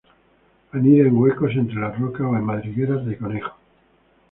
Anida en huecos entre las rocas o en madrigueras de conejos.